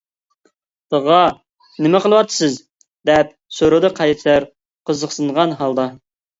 - تاغا، نېمە قىلىۋاتىسىز؟ - دەپ سورىدى قەيسەر قىزىقسىنغان ھالدا.